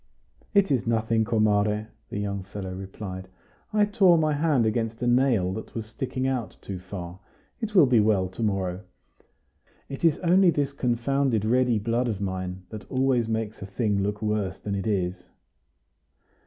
"It is nothing, comare," the young fellow replied. "I tore my hand against a nail that was sticking out too far; it will be well to morrow. It is only this confounded ready blood of mine, that always makes a thing look worse than it is."